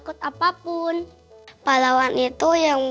kenapa aku peduli vedannah